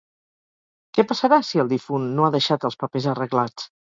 Què passarà si el difunt no ha deixat els papers arreglats?